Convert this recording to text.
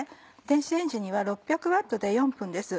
電子レンジには６００Ｗで４分です。